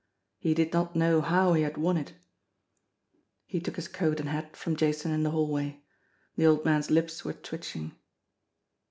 He did not know how he had won it. He took his coat and hat from Jason in the hallway. The old man's lips were twitching.